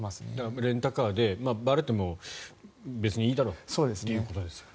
レンタカーでばれても別にいいだろということですね。